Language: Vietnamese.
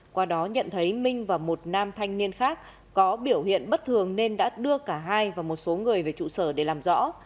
qua đó nhận thấy minh và một nam thanh niên khác có biểu hiện bất thường nên đã đưa cả hai và một số người về trụ sở để làm rõ